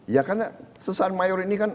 ya kan sersan mayor ini kan